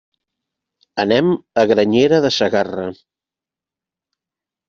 Anem a Granyena de Segarra.